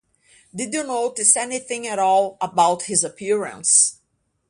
Did you notice anything at all about his appearance?